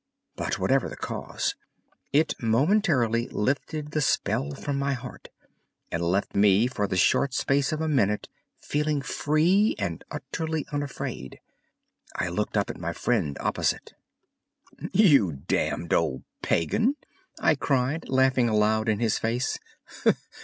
But, whatever the cause, it momentarily lifted the spell from my heart, and left me for the short space of a minute feeling free and utterly unafraid. I looked up at my friend opposite. "You damned old pagan!" I cried, laughing aloud in his face.